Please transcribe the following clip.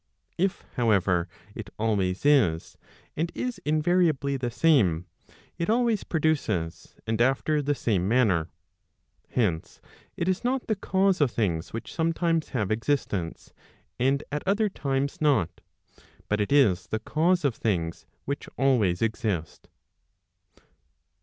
If however it always is, and is invariably the same, it always produces, and after the same manner. Hence, it is not the cause of things which sometimes have existence, and at other times not, but it is the cause of things which always exist.